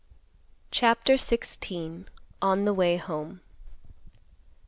CHAPTER XVI. ON THE WAY HOME.